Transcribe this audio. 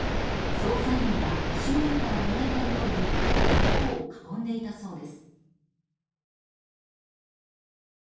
捜査員は周囲から見えないように男を囲んでいたそうです。